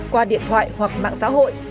qua điện thoại hoặc mạng xã hội